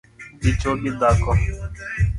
dichwo gi dhako